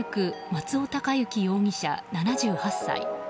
松尾孝之容疑者、７８歳。